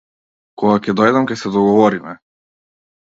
Кога ќе дојдам ќе се договориме.